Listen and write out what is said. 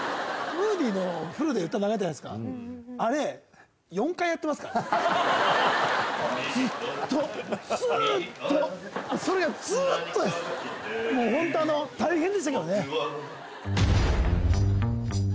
ムーディのフルで歌流れたじゃないですかあれ４回やってますからそれがもうホント大変でしたけどね